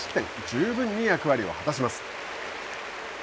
十分に役割を果たします。